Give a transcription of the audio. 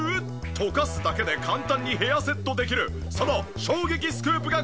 とかすだけで簡単にヘアセットできるその衝撃スクープがこちら。